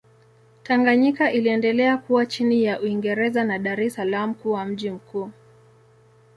Tanganyika iliendelea kuwa chini ya Uingereza na Dar es Salaam kuwa mji mkuu.